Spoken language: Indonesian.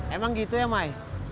emang gitu ya mai